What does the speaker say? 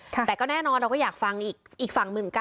แต่คุณเราก็อยากฟังอีกฝั่ง